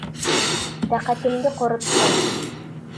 Тәҡәтемде ҡороттоң!